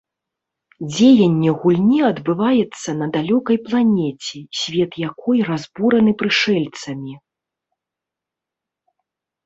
Дзеянне гульні адбываецца на далёкай планеце, свет якой разбураны прышэльцамі.